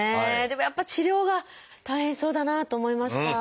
でもやっぱり治療が大変そうだなと思いました。